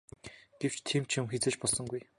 Гэвч тийм юм хэзээ ч болсонгүй.